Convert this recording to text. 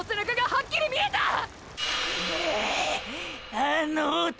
あの男！！